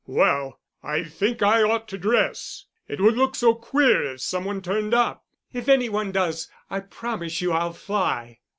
"Well, I think I ought to dress. It would look so queer if some one turned up." "If any one does, I promise you I'll fly."